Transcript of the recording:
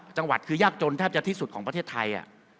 จังหวัดคือยากจนแทบจะที่สุดของประเทศไทย